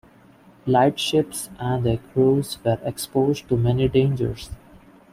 Lightships and their crews were exposed to many dangers.